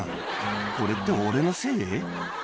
「これって俺のせい？」